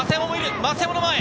増山の前！